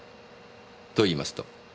といいますと？